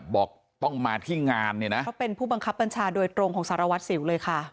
บอกต้องมาที่งานเนี่ยนะเขาเป็นผู้บังคับบัญชาโดยตรงของสารวัตรสิวเลยค่ะ